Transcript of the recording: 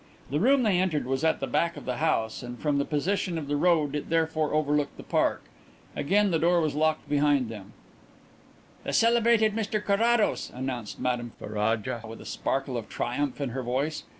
The room they entered was at the back of the house, and from the position of the road it therefore overlooked the park. Again the door was locked behind them. "The celebrated Mr Carrados!" announced Madame Ferraja, with a sparkle of triumph in her voice.